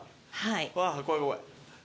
わ怖い怖い。